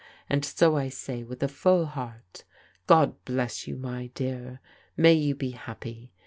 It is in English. And so I say with a full heart, God bless you, my dear. May you be happy.